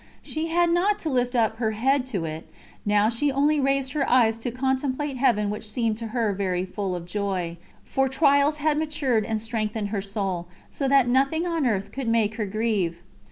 She had not to lift up her head to it, now she only raised her eyes to contemplate Heaven which seemed to her very full of joy, for trials had matured and strengthened her soul, so that nothing on earth could make her grieve.